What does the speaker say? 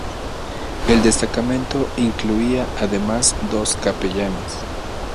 El destacamento incluía además dos capellanes.